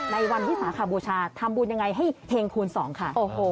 ในวันวิสาขบูชาทำบุญยังไงให้เฮงคูณสองค่ะ